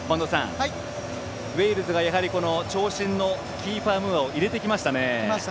ウェールズは長身のキーファー・ムーアを入れてきましたね。